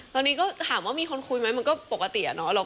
ตอนนี้ก็ถามว่ามีคนคุยไหมมันก็ปกติอะเนาะ